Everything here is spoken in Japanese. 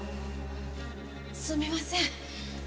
すみません。